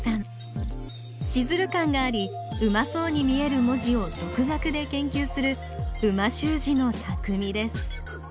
シズル感がありうまそうに見える文字を独学で研究する美味しゅう字のたくみです